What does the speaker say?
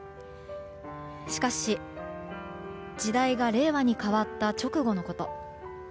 しかし、時代が令和に変わった直後のこと。